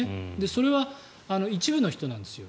それは一部の人なんですよ。